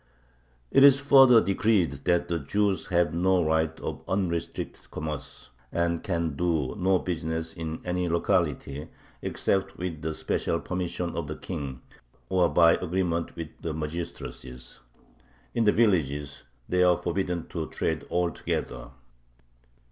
It is further decreed that the Jews have no right of unrestricted commerce, and can do no business in any locality, except with the special permission of the king or by agreement with the magistracies; in the villages they are forbidden to trade altogether.